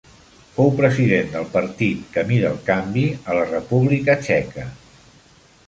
Fou president del partit Camí del canvi a la República Txeca.